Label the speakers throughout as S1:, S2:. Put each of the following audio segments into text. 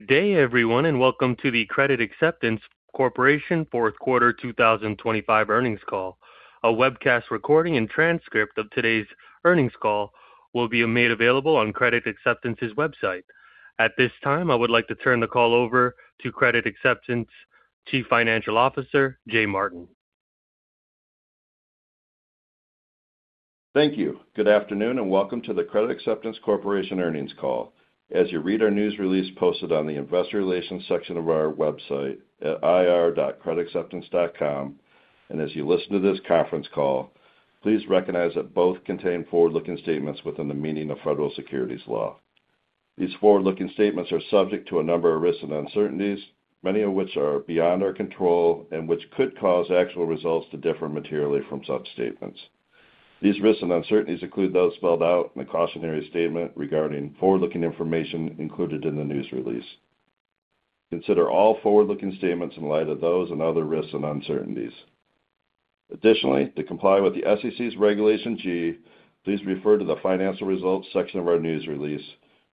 S1: Good day, everyone, and welcome to the Credit Acceptance Corporation Fourth Quarter 2025 Earnings Call. A webcast recording and transcript of today's earnings call will be made available on Credit Acceptance's website. At this time, I would like to turn the call over to Credit Acceptance Chief Financial Officer, Jay Martin.
S2: Thank you. Good afternoon, and welcome to the Credit Acceptance Corporation earnings call. As you read our news release posted on the Investor Relations section of our website at ir.creditacceptance.com, and as you listen to this conference call, please recognize that both contain forward-looking statements within the meaning of federal securities law. These forward-looking statements are subject to a number of risks and uncertainties, many of which are beyond our control and which could cause actual results to differ materially from such statements. These risks and uncertainties include those spelled out in the cautionary statement regarding forward-looking information included in the news release. Consider all forward-looking statements in light of those and other risks and uncertainties. Additionally, to comply with the SEC's Regulation G, please refer to the financial results section of our news release,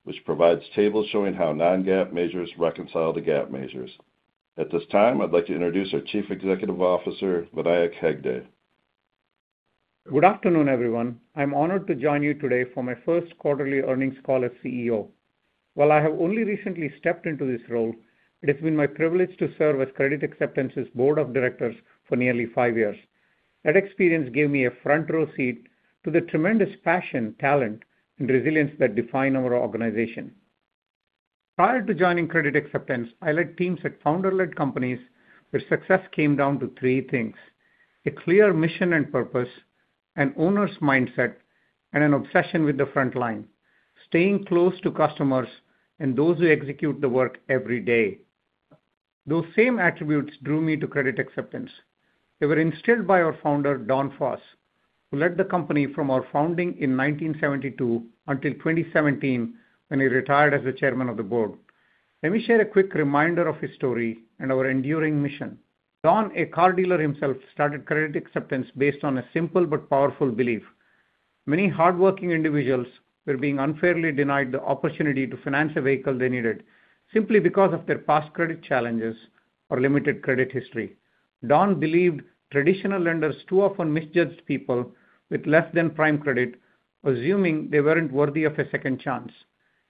S2: which provides tables showing how non-GAAP measures reconcile to GAAP measures. At this time, I'd like to introduce our Chief Executive Officer, Vinayak Hegde.
S3: Good afternoon, everyone. I'm honored to join you today for my first quarterly earnings call as CEO. While I have only recently stepped into this role, it has been my privilege to serve as Credit Acceptance's board of directors for nearly five years. That experience gave me a front-row seat to the tremendous passion, talent, and resilience that define our organization. Prior to joining Credit Acceptance, I led teams at founder-led companies where success came down to three things: a clear mission and purpose, an owner's mindset, and an obsession with the front line, staying close to customers and those who execute the work every day. Those same attributes drew me to Credit Acceptance. They were instilled by our founder, Don Foss, who led the company from our founding in 1972 until 2017, when he retired as the chairman of the board. Let me share a quick reminder of his story and our enduring mission. Don, a car dealer himself, started Credit Acceptance based on a simple but powerful belief. Many hardworking individuals were being unfairly denied the opportunity to finance a vehicle they needed simply because of their past credit challenges or limited credit history. Don believed traditional lenders too often misjudged people with less than prime credit, assuming they weren't worthy of a second chance.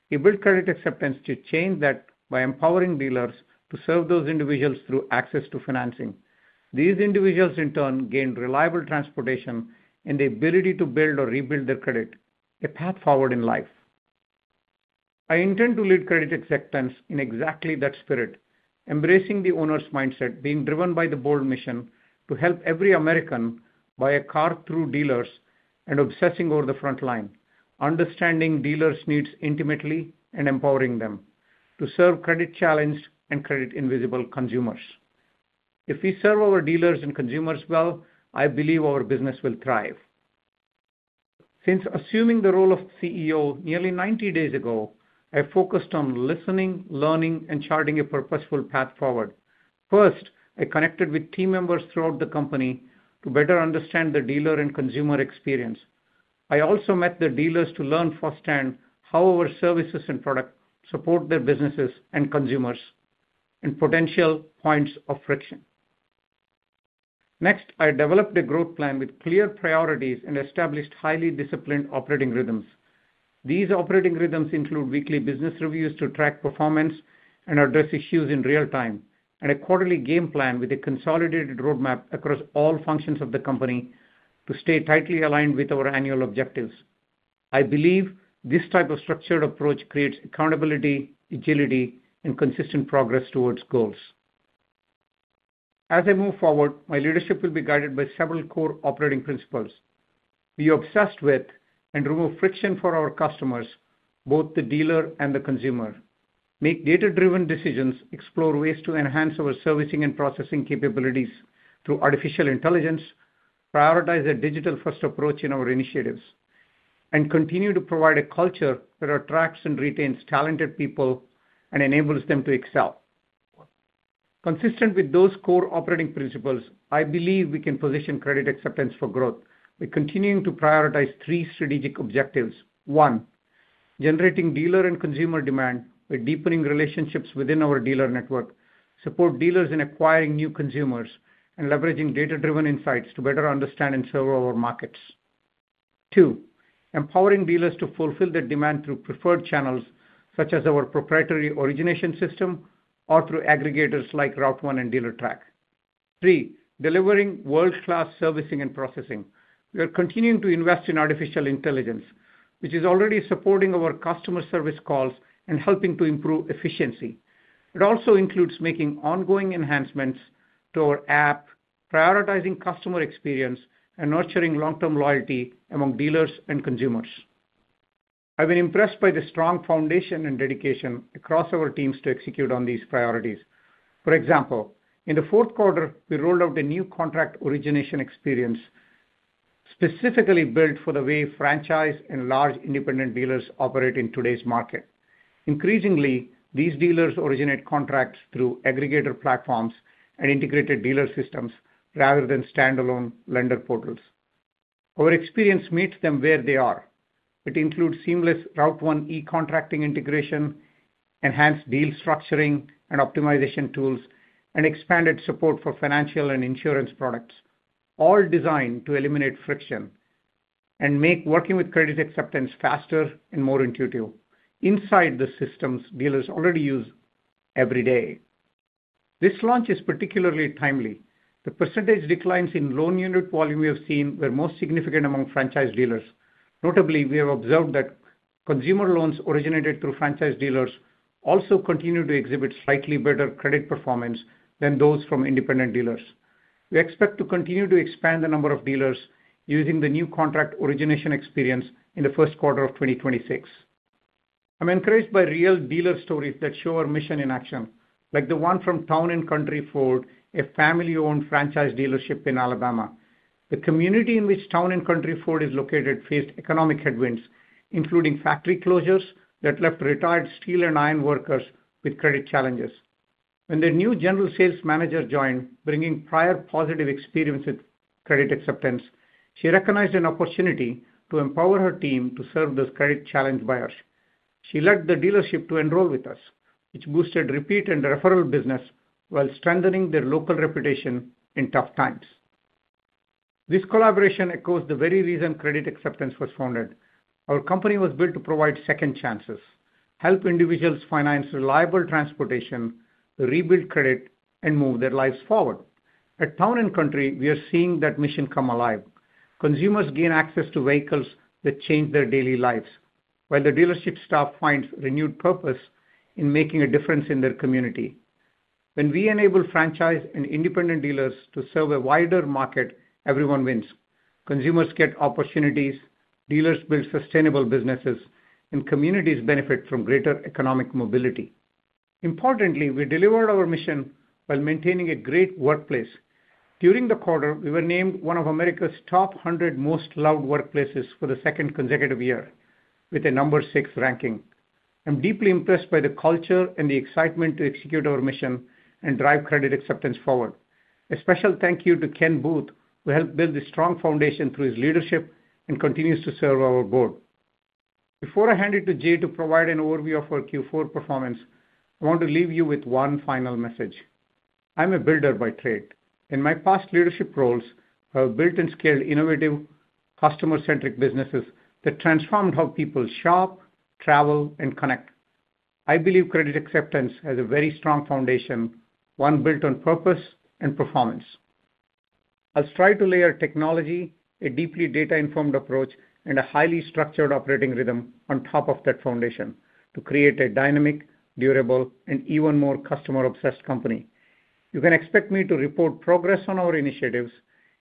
S3: He built Credit Acceptance to change that by empowering dealers to serve those individuals through access to financing. These individuals, in turn, gained reliable transportation and the ability to build or rebuild their credit, a path forward in life. I intend to lead Credit Acceptance in exactly that spirit, embracing the owner's mindset, being driven by the bold mission to help every American buy a car through dealers and obsessing over the front line, understanding dealers' needs intimately and empowering them to serve credit-challenged and credit-invisible consumers. If we serve our dealers and consumers well, I believe our business will thrive. Since assuming the role of CEO nearly 90 days ago, I focused on listening, learning, and charting a purposeful path forward. First, I connected with team members throughout the company to better understand the dealer and consumer experience. I also met the dealers to learn firsthand how our services and products support their businesses and consumers, and potential points of friction. Next, I developed a growth plan with clear priorities and established highly disciplined operating rhythms. These operating rhythms include weekly business reviews to track performance and address issues in real time, and a quarterly game plan with a consolidated roadmap across all functions of the company to stay tightly aligned with our annual objectives. I believe this type of structured approach creates accountability, agility, and consistent progress towards goals. As I move forward, my leadership will be guided by several core operating principles. Be obsessed with and remove friction for our customers, both the dealer and the consumer. Make data-driven decisions, explore ways to enhance our servicing and processing capabilities through artificial intelligence, prioritize a digital-first approach in our initiatives, and continue to provide a culture that attracts and retains talented people and enables them to excel. Consistent with those core operating principles, I believe we can position Credit Acceptance for growth. We're continuing to prioritize three strategic objectives. One, generating dealer and consumer demand by deepening relationships within our dealer network, support dealers in acquiring new consumers, and leveraging data-driven insights to better understand and serve our markets. Two, empowering dealers to fulfill their demand through preferred channels, such as our proprietary origination system or through aggregators like RouteOne and Dealertrack. Three, delivering world-class servicing and processing. We are continuing to invest in artificial intelligence, which is already supporting our customer service calls and helping to improve efficiency. It also includes making ongoing enhancements to our app, prioritizing customer experience, and nurturing long-term loyalty among dealers and consumers. I've been impressed by the strong foundation and dedication across our teams to execute on these priorities. For example, in the fourth quarter, we rolled out the new contract origination experience specifically built for the way franchise and large independent dealers operate in today's market. Increasingly, these dealers originate contracts through aggregator platforms and integrated dealer systems rather than standalone lender portals... Our experience meets them where they are. It includes seamless RouteOne e-contracting integration, enhanced deal structuring and optimization tools, and expanded support for financial and insurance products, all designed to eliminate friction and make working with Credit Acceptance faster and more intuitive inside the systems dealers already use every day. This launch is particularly timely. The percentage declines in loan unit volume we have seen were most significant among franchise dealers. Notably, we have observed that consumer loans originated through franchise dealers also continue to exhibit slightly better credit performance than those from independent dealers. We expect to continue to expand the number of dealers using the new contract origination experience in the first quarter of 2026. I'm encouraged by real dealer stories that show our mission in action, like the one from Town & Country Ford, a family-owned franchise dealership in Alabama. The community in which Town & Country Ford is located faced economic headwinds, including factory closures that left retired steel and ironworkers with credit challenges. When their new general sales manager joined, bringing prior positive experience with Credit Acceptance, she recognized an opportunity to empower her team to serve those credit-challenged buyers. She led the dealership to enroll with us, which boosted repeat and referral business while strengthening their local reputation in tough times. This collaboration echoes the very reason Credit Acceptance was founded. Our company was built to provide second chances, help individuals finance reliable transportation, rebuild credit, and move their lives forward. At Town & Country, we are seeing that mission come alive. Consumers gain access to vehicles that change their daily lives, while the dealership staff finds renewed purpose in making a difference in their community. When we enable franchise and independent dealers to serve a wider market, everyone wins. Consumers get opportunities, dealers build sustainable businesses, and communities benefit from greater economic mobility. Importantly, we delivered our mission while maintaining a great workplace. During the quarter, we were named one of America's top 100 Most Loved Workplaces for the second consecutive year, with a number six ranking. I'm deeply impressed by the culture and the excitement to execute our mission and drive Credit Acceptance forward. A special thank you to Ken Booth, who helped build a strong foundation through his leadership and continues to serve our board. Before I hand it to Jay to provide an overview of our Q4 performance, I want to leave you with one final message. I'm a builder by trade. In my past leadership roles, I've built and scaled innovative, customer-centric businesses that transformed how people shop, travel, and connect. I believe Credit Acceptance has a very strong foundation, one built on purpose and performance. I'll strive to layer technology, a deeply data-informed approach, and a highly structured operating rhythm on top of that foundation to create a dynamic, durable, and even more customer-obsessed company. You can expect me to report progress on our initiatives.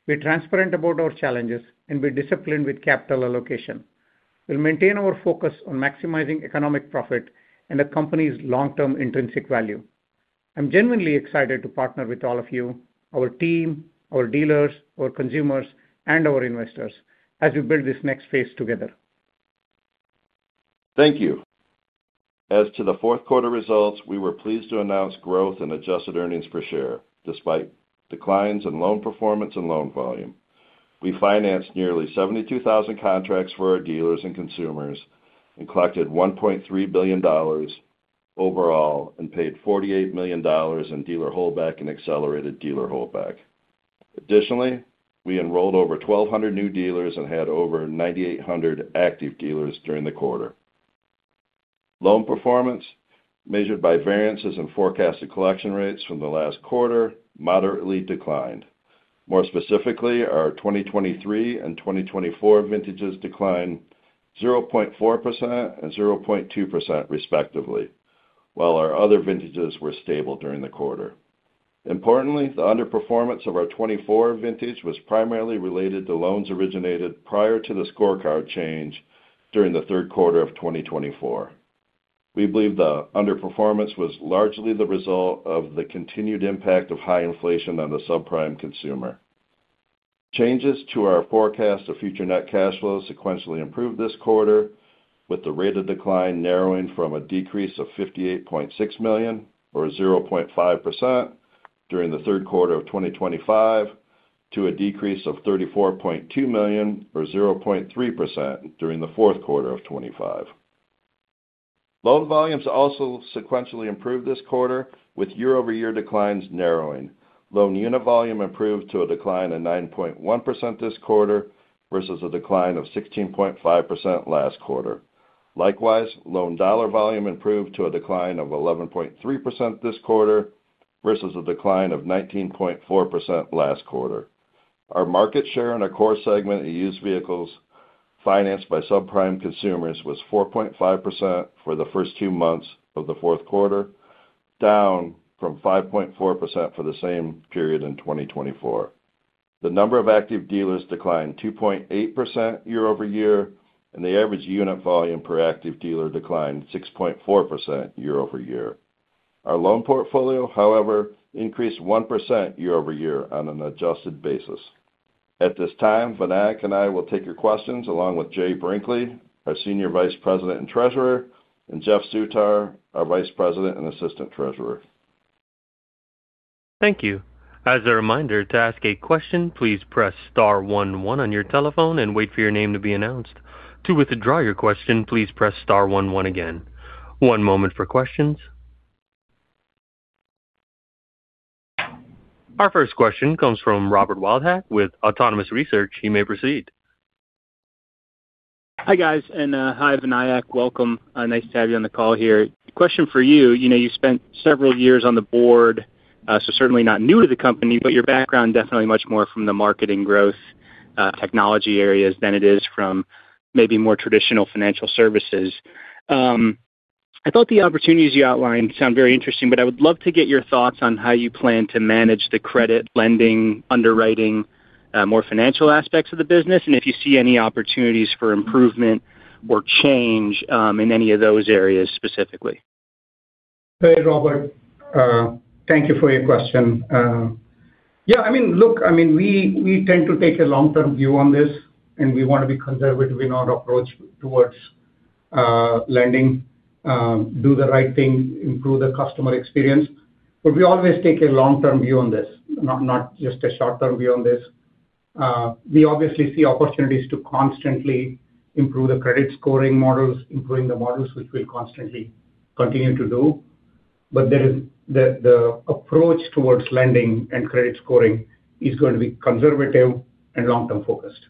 S3: We're transparent about our challenges, and we're disciplined with capital allocation. We'll maintain our focus on maximizing economic profit and the company's long-term intrinsic value. I'm genuinely excited to partner with all of you, our team, our dealers, our consumers, and our investors, as we build this next phase together.
S2: Thank you. As to the fourth quarter results, we were pleased to announce growth in adjusted earnings per share, despite declines in loan performance and loan volume. We financed nearly 72,000 contracts for our dealers and consumers and collected $1.3 billion overall and paid $48 million in dealer holdback and accelerated dealer holdback. Additionally, we enrolled over 1,200 new dealers and had over 9,800 active dealers during the quarter. Loan performance, measured by variances in forecasted collection rates from the last quarter, moderately declined. More specifically, our 2023 and 2024 vintages declined 0.4% and 0.2%, respectively, while our other vintages were stable during the quarter. Importantly, the underperformance of our 2024 vintage was primarily related to loans originated prior to the scorecard change during the third quarter of 2024. We believe the underperformance was largely the result of the continued impact of high inflation on the subprime consumer. Changes to our forecast of future net cash flows sequentially improved this quarter, with the rate of decline narrowing from a decrease of $58.6 million, or 0.5%, during the third quarter of 2025, to a decrease of $34.2 million, or 0.3%, during the fourth quarter of 2025. Loan volumes also sequentially improved this quarter, with year-over-year declines narrowing. Loan unit volume improved to a decline of 9.1% this quarter, versus a decline of 16.5% last quarter. Likewise, loan dollar volume improved to a decline of 11.3% this quarter, versus a decline of 19.4% last quarter. Our market share in our core segment of used vehicles financed by subprime consumers was 4.5% for the first two months of the fourth quarter, down from 5.4% for the same period in 2024. The number of active dealers declined 2.8% year-over-year, and the average unit volume per active dealer declined 6.4% year-over-year. Our loan portfolio, however, increased 1% year-over-year on an adjusted basis. At this time, Vinayak and I will take your questions, along with Jay Brinkley, our Senior Vice President and Treasurer, and Jeff Soutar, our Vice President and Assistant Treasurer.
S1: ...Thank you. As a reminder, to ask a question, please press star one one on your telephone and wait for your name to be announced. To withdraw your question, please press star one one again. One moment for questions. Our first question comes from Robert Wildhack with Autonomous Research. He may proceed.
S4: Hi, guys, and hi, Vinayak. Welcome. Nice to have you on the call here. Question for you, you know, you spent several years on the board, so certainly not new to the company, but your background definitely much more from the marketing growth, technology areas than it is from maybe more traditional financial services. I thought the opportunities you outlined sound very interesting, but I would love to get your thoughts on how you plan to manage the credit lending, underwriting, more financial aspects of the business, and if you see any opportunities for improvement or change, in any of those areas specifically.
S3: Hey, Robert, thank you for your question. Yeah, I mean, look, I mean, we tend to take a long-term view on this, and we want to be conservative in our approach towards lending, do the right thing, improve the customer experience. But we always take a long-term view on this, not just a short-term view on this. We obviously see opportunities to constantly improve the credit scoring models, improving the models, which we constantly continue to do. But the approach towards lending and credit scoring is going to be conservative and long-term focused.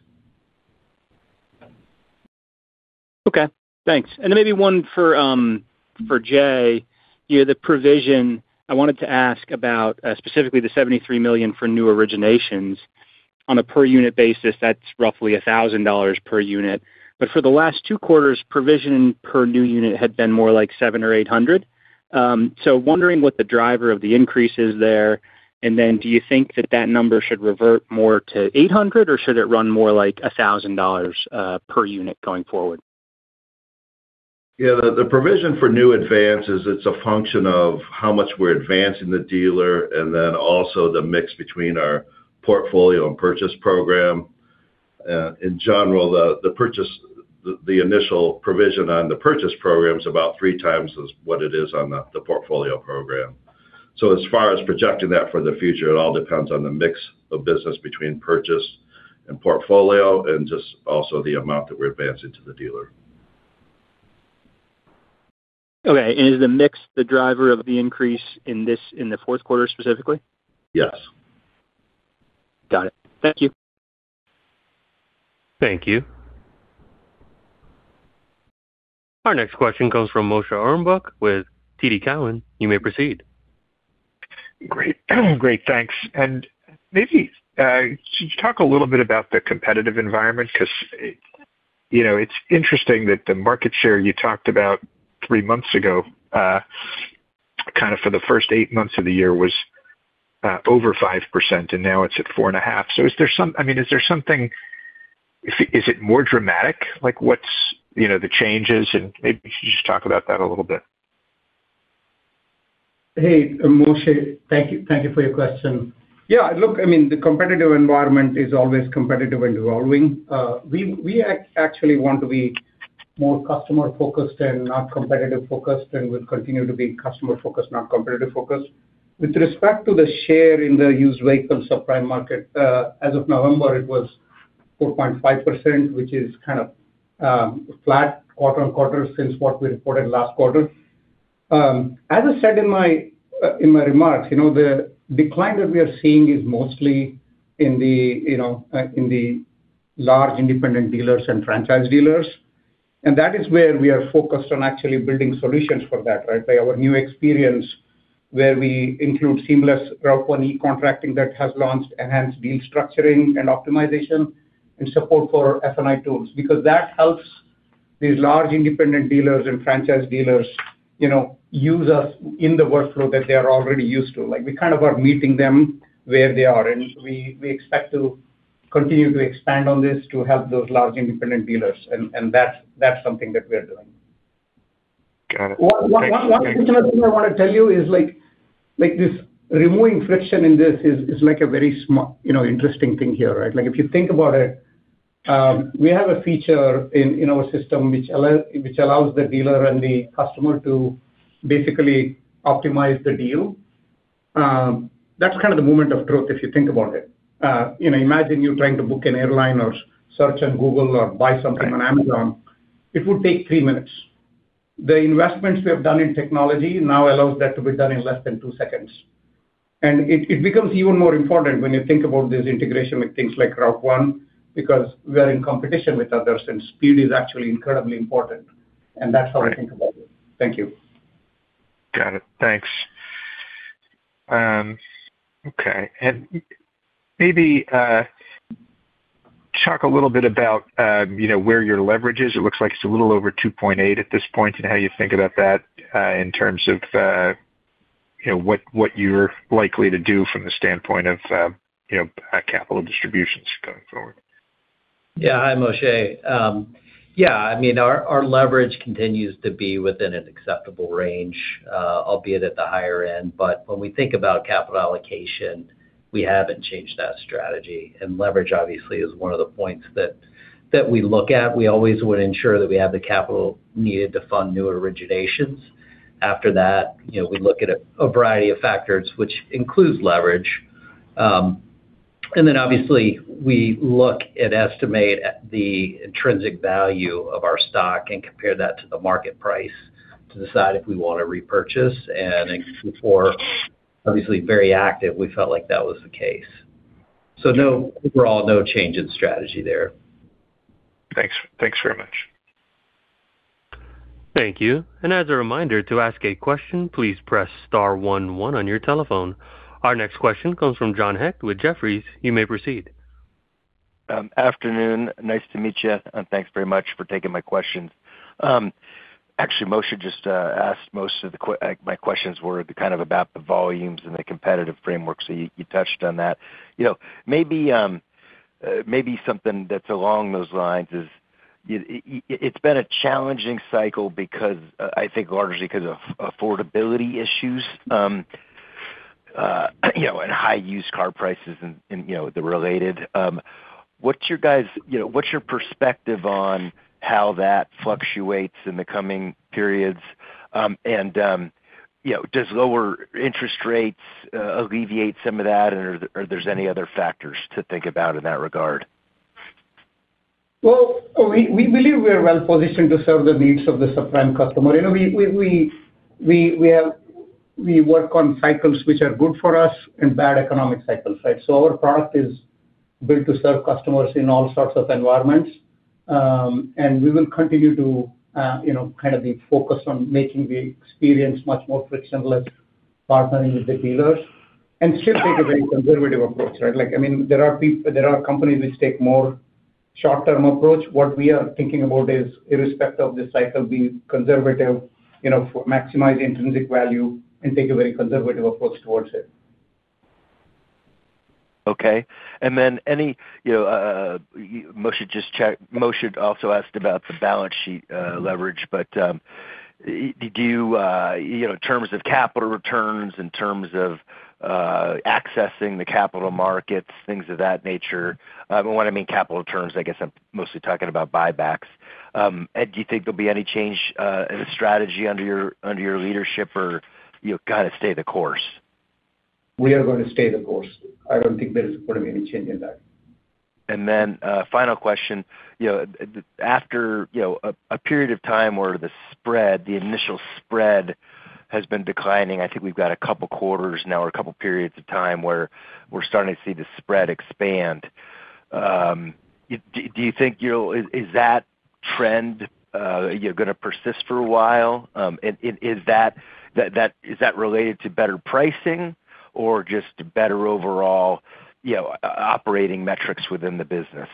S4: Okay, thanks. And then maybe one for, for Jay. You know, the provision, I wanted to ask about, specifically the $73 million for new originations. On a per unit basis, that's roughly $1,000 per unit. But for the last two quarters, provision per new unit had been more like $700 or $800. So wondering what the driver of the increase is there, and then do you think that that number should revert more to $800, or should it run more like $1,000 per unit going forward?
S2: Yeah, the provision for new advances, it's a function of how much we're advancing the dealer and then also the mix between our portfolio and purchase program. In general, the purchase—the initial provision on the purchase program is about three times as what it is on the portfolio program. So as far as projecting that for the future, it all depends on the mix of business between purchase and portfolio and just also the amount that we're advancing to the dealer.
S4: Okay. And is the mix the driver of the increase in this, in the fourth quarter, specifically?
S2: Yes.
S4: Got it. Thank you.
S1: Thank you. Our next question comes from Moshe Orenbuch with TD Cowen. You may proceed.
S5: Great. Great, thanks. And maybe could you talk a little bit about the competitive environment? 'Cause, you know, it's interesting that the market share you talked about three months ago, kind of for the first eight months of the year was, over 5%, and now it's at 4.5%. So is there some—I mean, is there something... Is it, is it more dramatic? Like, what's, you know, the changes? And maybe could you just talk about that a little bit.
S3: Hey, Moshe, thank you, thank you for your question. Yeah, look, I mean, the competitive environment is always competitive and evolving. We actually want to be more customer focused and not competitive focused, and we'll continue to be customer focused, not competitive focused. With respect to the share in the used vehicle subprime market, as of November, it was 4.5%, which is kind of flat quarter-over-quarter since what we reported last quarter. As I said in my remarks, you know, the decline that we are seeing is mostly in the large independent dealers and franchise dealers. And that is where we are focused on actually building solutions for that, right? By our new experience, where we include seamless RouteOne e-contracting that has launched enhanced deal structuring and optimization and support for F&I tools, because that helps these large independent dealers and franchise dealers, you know, use us in the workflow that they are already used to. Like, we kind of are meeting them where they are, and we, we expect to continue to expand on this to help those large independent dealers, and, and that's, that's something that we are doing.
S5: Got it.
S3: One other thing I want to tell you is, like, this removing friction in this is like a very smart, you know, interesting thing here, right? Like, if you think about it, we have a feature in our system which allows the dealer and the customer to basically optimize the deal. That's kind of the moment of truth, if you think about it. You know, imagine you're trying to book an airline or search on Google or buy something on Amazon. It would take three minutes. The investments we have done in technology now allows that to be done in less than two seconds. And it becomes even more important when you think about this integration with things like RouteOne, because we are in competition with others, and speed is actually incredibly important.
S5: Right.
S3: That's how I think about it. Thank you.
S5: Got it. Thanks. Okay, and maybe, talk a little bit about, you know, where your leverage is. It looks like it's a little over 2.8 at this point, and how you think about that, in terms of, you know, what, what you're likely to do from the standpoint of, you know, capital distributions going forward.
S6: Yeah. Hi, Moshe. Yeah, I mean, our, our leverage continues to be within an acceptable range, albeit at the higher end. But when we think about capital allocation, we haven't changed that strategy, and leverage obviously is one of the points that, that we look at. We always would ensure that we have the capital needed to fund new originations. After that, you know, we look at a, a variety of factors, which includes leverage. And then obviously, we look and estimate at the intrinsic value of our stock and compare that to the market price to decide if we want to repurchase. And Q4, obviously very active, we felt like that was the case. So no, overall, no change in strategy there.
S5: Thanks. Thanks very much.
S1: Thank you. As a reminder, to ask a question, please press star one one on your telephone. Our next question comes from John Hecht with Jefferies. You may proceed.
S7: Afternoon. Nice to meet you, and thanks very much for taking my questions. Actually, Moshe just asked most of the questions. My questions were kind of about the volumes and the competitive framework. So you touched on that. You know, maybe something that's along those lines is, it's been a challenging cycle because I think largely because of affordability issues, you know, and high used car prices and, you know, the related. You know, what's your perspective on how that fluctuates in the coming periods? And you know, does lower interest rates alleviate some of that, or there's any other factors to think about in that regard?
S3: Well, we believe we are well-positioned to serve the needs of the subprime customer. You know, we work on cycles which are good for us and bad economic cycles, right? So our product is built to serve customers in all sorts of environments. And we will continue to, you know, kind of be focused on making the experience much more frictionless, partnering with the dealers, and still take a very conservative approach, right? Like, I mean, there are companies which take more short-term approach. What we are thinking about is, irrespective of the cycle, being conservative, you know, maximize the intrinsic value and take a very conservative approach towards it.
S7: Okay. And then any, you know, Moshe just checked—Moshe also asked about the balance sheet, leverage, but, do you, you know, in terms of capital returns, in terms of, accessing the capital markets, things of that nature... When I mean capital returns, I guess I'm mostly talking about buybacks. And, do you think there'll be any change, in the strategy under your, under your leadership, or you've got to stay the course?
S3: We are going to stay the course. I don't think there is going to be any change in that.
S7: And then, final question. You know, after, you know, a period of time where the spread, the initial spread, has been declining, I think we've got a couple quarters now or a couple periods of time where we're starting to see the spread expand. Do you think, you know, is that trend, you know, gonna persist for a while? And is that related to better pricing or just better overall, you know, operating metrics within the business?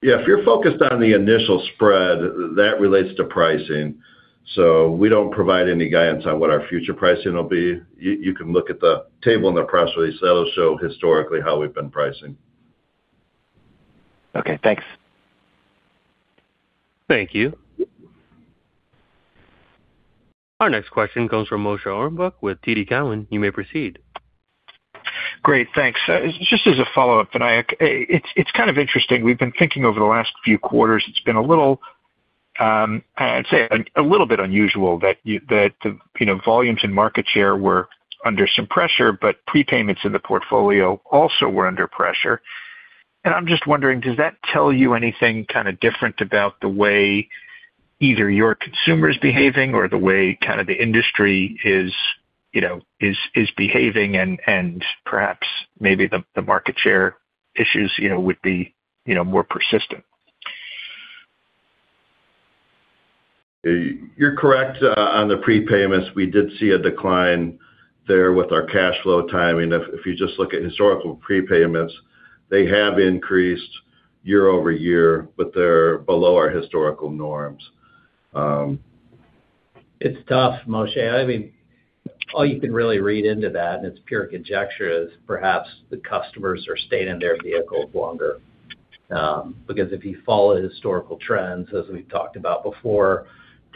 S2: Yeah, if you're focused on the initial spread, that relates to pricing. So we don't provide any guidance on what our future pricing will be. You can look at the table in the press release. That'll show historically how we've been pricing.
S7: Okay, thanks.
S1: Thank you. Our next question comes from Moshe Orenbuch with TD Cowen. You may proceed.
S5: Great, thanks. Just as a follow-up, and I, it's kind of interesting. We've been thinking over the last few quarters, it's been a little, I'd say, a little bit unusual that you-- that, you know, volumes and market share were under some pressure, but prepayments in the portfolio also were under pressure. And I'm just wondering, does that tell you anything kind of different about the way either your consumer is behaving or the way kind of the industry is, you know, is, is behaving, and perhaps maybe the market share issues, you know, would be, you know, more persistent?
S2: You're correct on the prepayments. We did see a decline there with our cash flow timing. If you just look at historical prepayments, they have increased year-over-year, but they're below our historical norms.
S6: It's tough, Moshe. I mean, all you can really read into that, and it's pure conjecture, is perhaps the customers are staying in their vehicles longer. Because if you follow historical trends, as we've talked about before,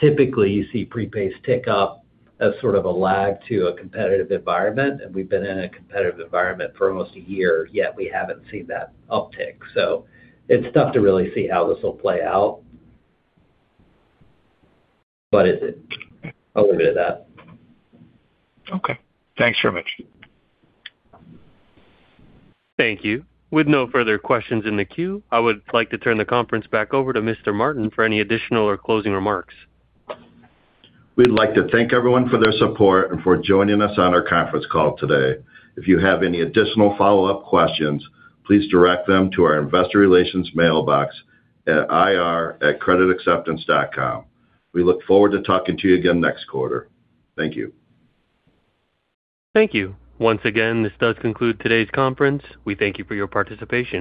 S6: typically, you see prepays tick up as sort of a lag to a competitive environment, and we've been in a competitive environment for almost a year, yet we haven't seen that uptick. So it's tough to really see how this will play out. But is it? I'll leave it at that.
S5: Okay. Thanks very much.
S1: Thank you. With no further questions in the queue, I would like to turn the conference back over to Mr. Martin for any additional or closing remarks.
S2: We'd like to thank everyone for their support and for joining us on our conference call today. If you have any additional follow-up questions, please direct them to our Investor Relations mailbox at ir@creditacceptance.com. We look forward to talking to you again next quarter. Thank you.
S1: Thank you. Once again, this does conclude today's conference. We thank you for your participation.